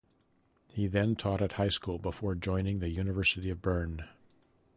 He then taught at high school before joining the University of Bern.